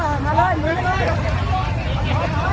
อันนี้ก็มันถูกประโยชน์ก่อน